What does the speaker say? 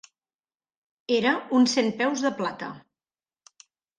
Era un centpeus de plata.